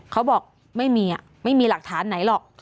เขาบอกไม่มีหลักฐาน๑๐๐๐ไงหรอก